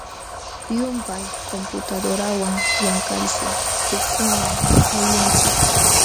Llumpay computadorawan llamkalshi kurkuman muyunchik.